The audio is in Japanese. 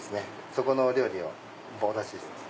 そこのお料理をお出ししてます。